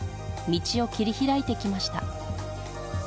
道を切り開いて来ました